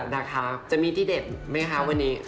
ได้ครับจะมีที่เด็ดไหมคะวันนี้